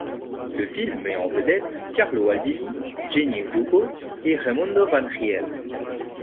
Le film met en vedette Carlo Aldini, Jenny Jugo et Raimondo Van Riel.